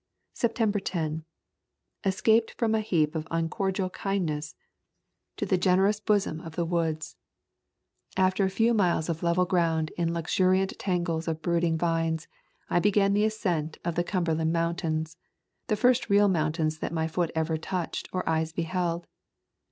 September ro. Escaped from a heap of un cordial kindness to the generous bosom of the [15 ] A Thousand Mile Walk woods. After a few miles of level ground in luxuriant tangles of brooding vines, I began the ascent of the Cumberland Mountains, the first real mountains that my foot ever touched or eyes beheld.